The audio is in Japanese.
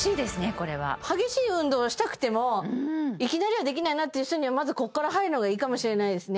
これは激しい運動はしたくてもいきなりはできないなって人にはまずこっから入るのがいいかもしれないですね